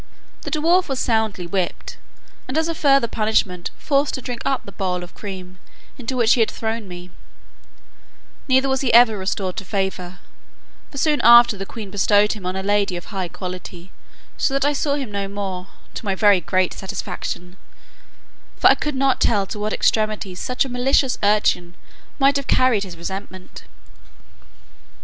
The dwarf was soundly whipt, and as a farther punishment, forced to drink up the bowl of cream into which he had thrown me: neither was he ever restored to favour; for soon after the queen bestowed him on a lady of high quality, so that I saw him no more, to my very great satisfaction; for I could not tell to what extremities such a malicious urchin might have carried his resentment.